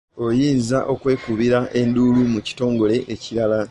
Oyinza okwekubira enduulu mu kitongole ekirala.